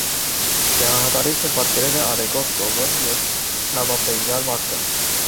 Գեղանկարիչը պատկերել է ալեկոծ ծովը և նավաբեկյալ մարդկանց։